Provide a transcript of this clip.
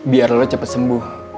biar lo cepet sembuh